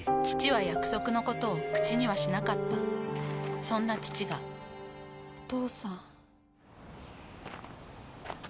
父は約束のことを口にはしなかったそんな父がお父さん。